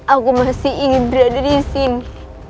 aku masih ingin berada disini